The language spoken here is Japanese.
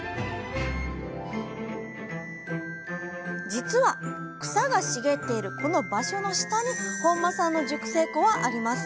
実は草が茂っているこの場所の下に本間さんの熟成庫はあります。